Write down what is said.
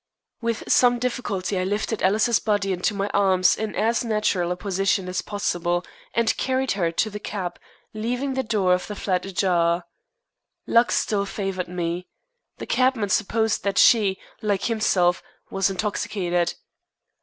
With some difficulty I lifted Alice's body into my arms in as natural a position as possible, and carried her to the cab, leaving the door of the flat ajar. Luck still favored me. The cabman supposed that she, like himself, was intoxicated.